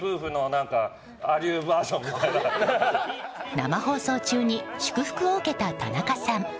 生放送中に祝福を受けた田中さん。